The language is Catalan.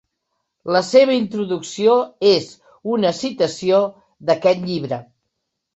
La seva introducció és una citació d'aquest llibre.